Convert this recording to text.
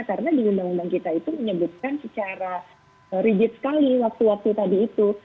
karena di undang undang kita itu menyebutkan secara rigid sekali waktu waktu tadi itu